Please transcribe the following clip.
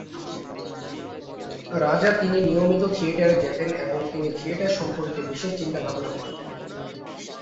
রাজা তিনি নিয়মিত থিয়েটারে যেতেন এবং তিনি থিয়েটার সম্পর্কে বিশেষ চিন্তা ভাবনা করতেন।